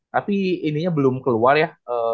tapi ininya belum keluar ya